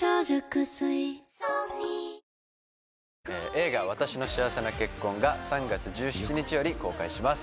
映画『わたしの幸せな結婚』が３月１７日より公開します。